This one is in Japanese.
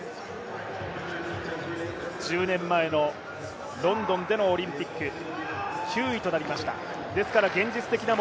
１０年前のロンドンでのオリンピック、９位となりました。